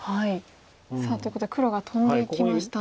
さあということで黒がトンでいきました。